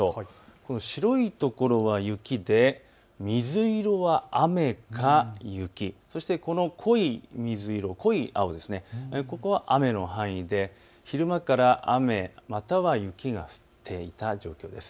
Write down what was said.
この白い所は雪で水色は雨か雪、そしてこの濃い水色、濃い青、ここは雨の範囲で昼間から雨または雪が降っていた状況です。